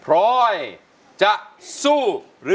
เพลงที่๒มาเลยครับ